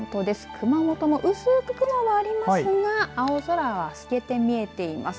熊本も薄く雲はありますが青空は透けて見えています。